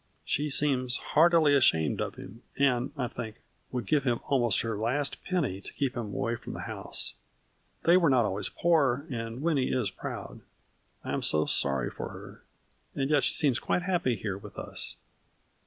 She seems heartily ashamed of him, and, I think, would give him almost her last penny to keep him away from the house. They were not always poor, and Winnie is proud. I am so sorry for her ; and yet she seems quite happy here with us."